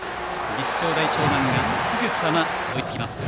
立正大淞南がすぐさま追いつきます。